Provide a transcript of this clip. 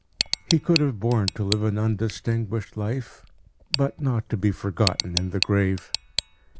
He could have borne to live an undistinguished life, but not to be forgotten in the grave.